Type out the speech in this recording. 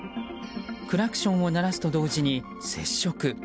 クラクションを鳴らすと同時に接触。